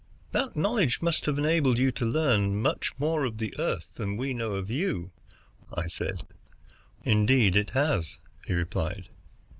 "That knowledge must have enabled you to learn much more of the Earth than we know of you," I said. "Indeed it has," he replied.